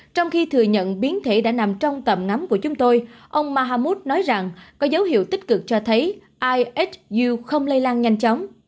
trong khi thừa nhận biến thể đã nằm trong tầm ngắm của chúng tôi ông mahammut nói rằng có dấu hiệu tích cực cho thấy isu không lây lan nhanh chóng